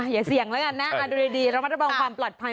อย่าเสี่ยงแล้วกันนะดูดีระมัดระวังความปลอดภัย